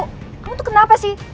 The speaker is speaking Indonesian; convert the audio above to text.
kamu tuh kenapa sih